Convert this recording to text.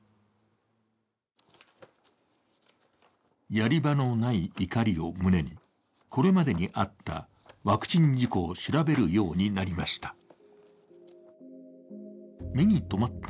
やり場のない怒りを胸にこれまでにあったワクチン事故を調べるようになりました。